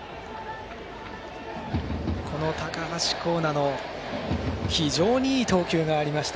高橋光成の非常にいい投球がありました。